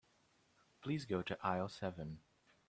Please go to aisle seven.